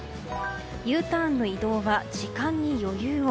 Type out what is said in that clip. Ｕターンの移動は時間に余裕を。